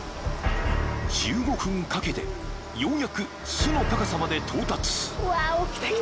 ［１５分かけてようやく巣の高さまで到達］